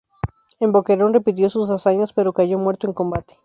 En Boquerón repitió sus hazañas, pero cayó muerto en combate.